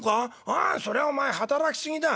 ああそりゃお前働き過ぎだ。